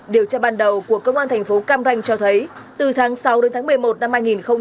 điều tra ban đầu của công an thành phố cam ranh cho thấy từ tháng sáu đến tháng một mươi một năm hai nghìn hai mươi